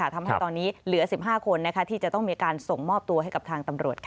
ทำให้ตอนนี้เหลือ๑๕คนที่จะต้องมีการส่งมอบตัวให้กับทางตำรวจ